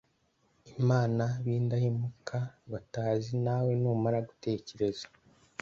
Imana b indahemuka batazi Nawe numara gutekereza